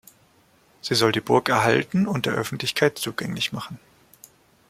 Sie soll die Burg erhalten und der Öffentlichkeit zugänglich machen.